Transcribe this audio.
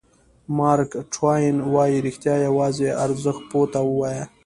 مارک ټواین وایي رښتیا یوازې ارزښت پوه ته ووایه.